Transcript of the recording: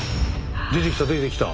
出てきた出てきた！